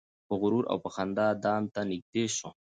په غرور او په خندا دام ته نیژدې سو